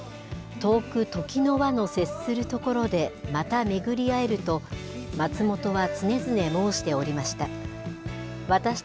遠く時の輪の接する所でまた巡り会えると、松本は常々申しておりました。